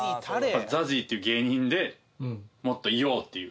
ＺＡＺＹっていう芸人でもっといようっていう心がけ。